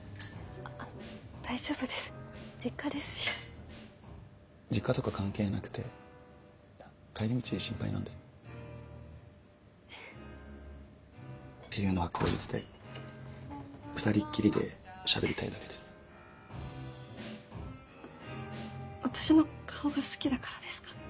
あ大丈夫です実家ですし実家とか関係なくて帰り道が心配なんでえていうのは口実で２人っきりでしゃべりたいだけですわ私の顔が好きだからですか？